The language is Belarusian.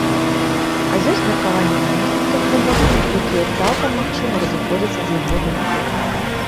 А ёсць меркаванні менеджменту клуба, якія, цалкам магчыма, разыходзяцца з яго думкай.